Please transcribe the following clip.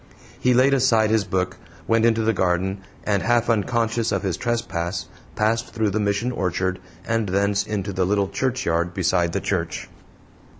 He laid aside his book, went into the garden, and, half unconscious of his trespass, passed through the Mission orchard and thence into the little churchyard beside the church.